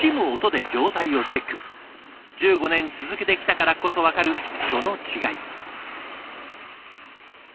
１５年続けてきたからこそ分かるその違い。